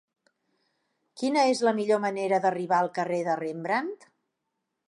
Quina és la millor manera d'arribar al carrer de Rembrandt?